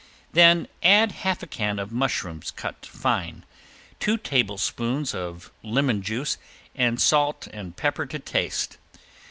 Then add half a can of mushrooms cut fine, two tablespoons of lemon juice and salt and pepper to taste.